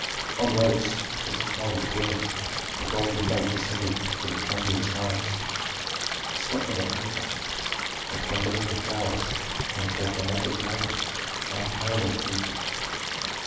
On ropes, entwined with green, the golden boat descended to the chamber in silence. It stopped on the pavement, and from beneath the flowers came forth a naked maiden of unparalleled beauty.